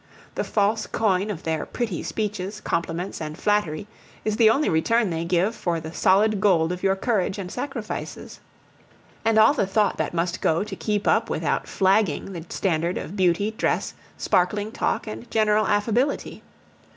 The false coin of their pretty speeches, compliments, and flattery is the only return they give for the solid gold of your courage and sacrifices, and all the thought that must go to keep up without flagging the standard of beauty, dress, sparkling talk, and general affability.